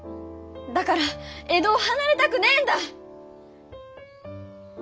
だから江戸を離れたくねえんだ！